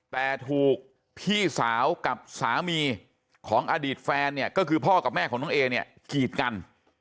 แต่ถูกพี่สาวกับสามีของอดีตแฟนเนี่ยก็คือพ่อกับแม่ของน้องเอเนี่ยกีดกัน